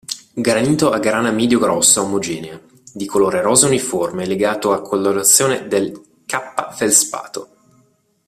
Granito a grana medio-grossa omogenea, di colore rosa uniforme legato alla colorazione del K-feldspato.